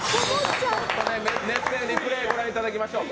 リプレーご覧いただきましょう。